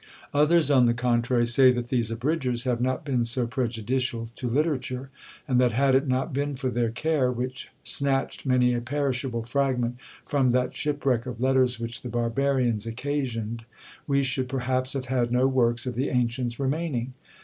Others, on the contrary, say that these Abridgers have not been so prejudicial to literature; and that had it not been for their care, which snatched many a perishable fragment from that shipwreck of letters which the barbarians occasioned, we should perhaps have had no works of the ancients remaining.